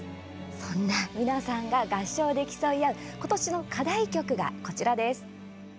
そんな皆さんが合唱で競い合う今年の課題曲がこちらです。